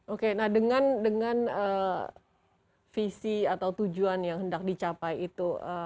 oke nah dengan visi atau tujuan yang hendak dicapai itu